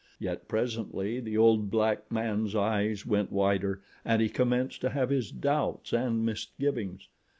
Yet presently the old black man's eyes went wider and he commenced to have his doubts and misgivings.